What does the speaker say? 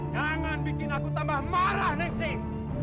jangan bikin aku tambah marah next